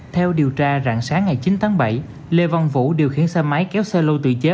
theo điều tra rạng sáng ngày chín tháng bảy lê văn vũ điều khiển xe máy kéo xe lô tự chế